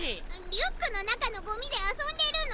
リュックのなかのゴミであそんでるの。